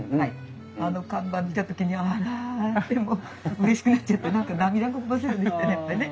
あの看板見た時には「あら」ってもううれしくなっちゃって何か涙ぐませるよねやっぱね。